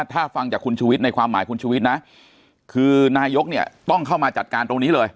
ถ้าฟังจากคุณชุวิตในความหมายคุณชุวิตนะคือนายกเนี่ยต้องเข้ามาจัดการตรงนี้เลย